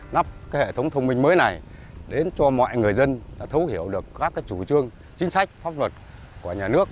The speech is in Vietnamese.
lắp hệ thống thông minh mới này đến cho mọi người dân thấu hiểu được các chủ trương chính sách pháp luật của nhà nước